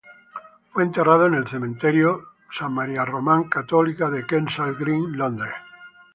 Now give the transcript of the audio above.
Fue enterrado en el Cementerio St Mary Roman Catholic de Kensal Green, Londres.